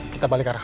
kita balik arah